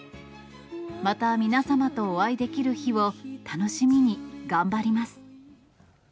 また皆様とお会いできる日を楽しみに頑張ります。